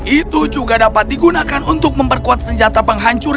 itu juga dapat digunakan untuk memperkuat senjata penghancur